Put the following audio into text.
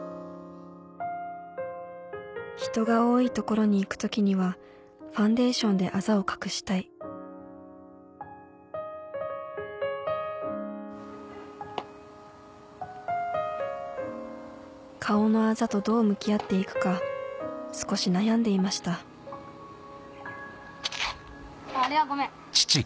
人が多い所に行く時にはファンデーションであざを隠したい顔のあざとどう向き合っていくか少し悩んでいましたありゃごめん。